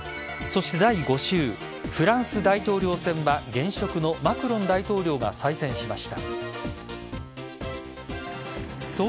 そして、第５週フランス大統領選は現職のマクロン大統領がお天気です。